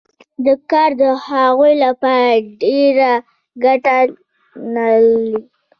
دا کار د هغوی لپاره ډېره ګټه نلري